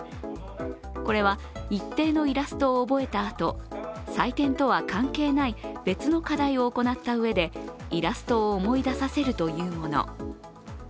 これは一定のイラストを覚えたあと、採点とは関係ない別の課題を行ったうえでイラストを思い出させるというもの。